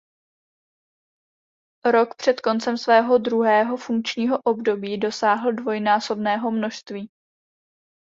Rok před koncem svého druhého funkčního období dosáhl dvojnásobného množství.